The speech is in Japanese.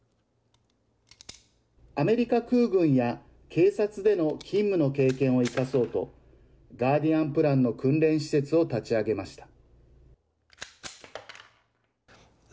アメリカ空軍や警察での勤務の経験を生かそうとガーディアン・プランの訓練施設を立ち上げました。